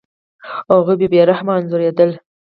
هغوی به بې رحمه انځورېدل.